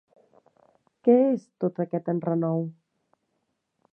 Què és tot aquest enrenou?